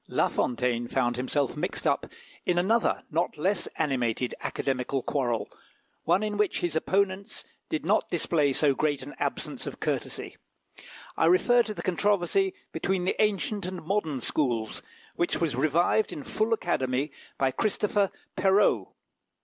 La Fontaine found himself mixed up in another not less animated Academical quarrel, one in which his opponents did not display so great an absence of courtesy. I refer to the controversy between the ancient and modern schools, which was revived in full Academy by Christopher Perrault.